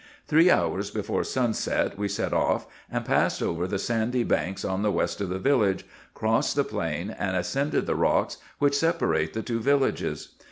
Three hours before sunset we set off, and passed over the sandy banks on the west of the village, crossed the plain, and ascended the rocks which separate the two villages.